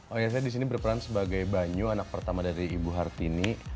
oh iya saya di sini berperan sebagai banyu anak pertama dari ibu hartini